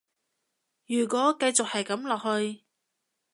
如果繼續係噉落去